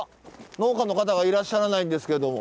農家の方がいらっしゃらないんですけども。